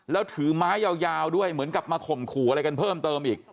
แล้วถือไม้ยาวด้วยเหมือนกับมาข่มขู่อะไรกันเพิ่มเติมอีก